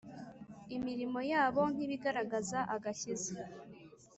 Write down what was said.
imirimo yabo nk'ibigaragaza agakiza.